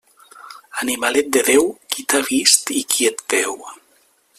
Animalet de Déu, qui t'ha vist i qui et veu.